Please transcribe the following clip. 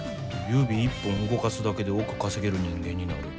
指一本動かすだけで億稼げる人間になる。